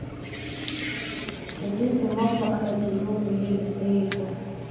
که دوی زما په اړه درواغ ویل پرېږدي